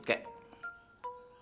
tapi saya tidak peduli